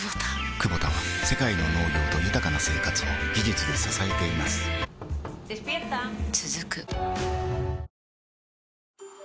クボタは世界の農業と豊かな生活を技術で支えています起きて。